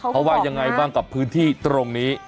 เขาบอกไงบ้างกับพื้นที่ตรงนี้